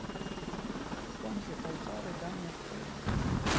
Può anche causare danni al fegato.